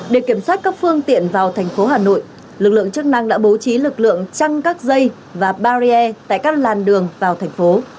để kiểm soát các phương tiện vào thành phố hà nội lực lượng chức năng đã bố trí lực lượng chăn các dây và barrier tại các làn đường vào thành phố